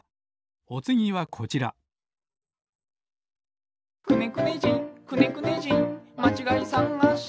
おつぎはこちら「くねくね人くねくね人まちがいさがし」